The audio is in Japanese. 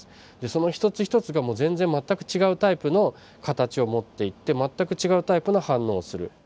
その一つ一つがもう全然全く違うタイプの形を持っていて全く違うタイプの反応をする。